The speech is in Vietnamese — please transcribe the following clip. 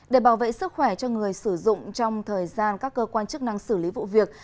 để bảo vệ sức khỏe cho người sử dụng trong thời gian các cơ quan chức năng xử lý vụ việc